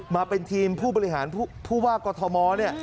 มาเป็นทีมผู้บริหารผู้ว่ากธม